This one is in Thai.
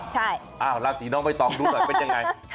ใช่อ้าวราศีน้องไปตอบดูสิเป็นยังไง